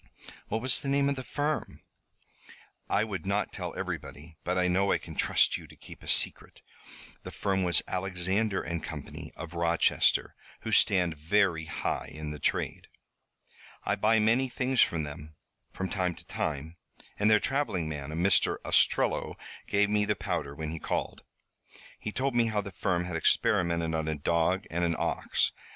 "What was the name of the firm?" "I would not tell everybody, but I know I can trust you to keep a secret. The firm was Alexander & Company, of Rochester, who stand very high in the trade. I buy many things from them, from time to time, and their traveling man, a Mr. Ostrello, gave me the powder when he called. He told me how the firm had experimented on a dog and an ox.